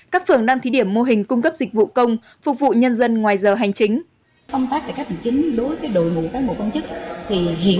các phường đang thí điểm mô hình cung cấp dịch vụ công phục vụ nhân dân ngoài giờ hành chính